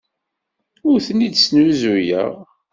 Ur ten-id-snuzuyeɣ.